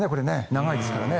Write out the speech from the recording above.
長いですからね。